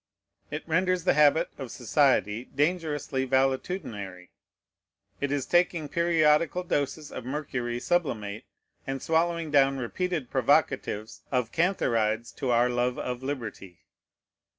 It renders the habit of society dangerously valetudinary; it is taking periodical doses of mercury sublimate, and swallowing down repeated provocatives of cantharides to our love of liberty.